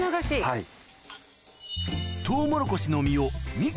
はい。